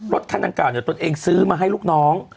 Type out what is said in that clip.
รถคันนั้นกล่าวเนี่ยตัวเองซื้อมาให้ลูกน้อง